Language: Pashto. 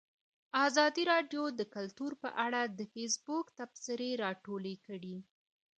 ازادي راډیو د کلتور په اړه د فیسبوک تبصرې راټولې کړي.